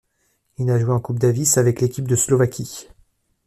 Il a joué en Coupe Davis avec l'équipe de Slovaquie.